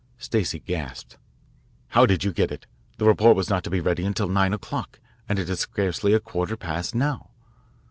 Stacey gasped. "How did you get it? The report was not to be ready until nine o'clock, and it is scarcely a quarter past now."